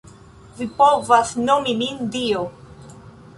Vi povas nomi min, Dio.